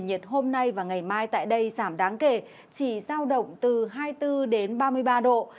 nhiệt hôm nay và ngày mai tại đây giảm đáng kể chỉ giao động từ hai mươi bốn đến ba mươi ba độ